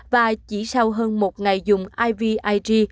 và chỉ sau hơn một ngày dùng ivig